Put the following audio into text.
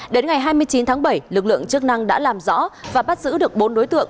đến ngày hai mươi chín tháng bảy lực lượng chức năng đã làm rõ và bắt giữ được bốn đối tượng